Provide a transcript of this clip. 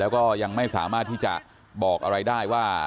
แล้วก็ยังไม่สามารถที่จะบอกอะไรได้ว่า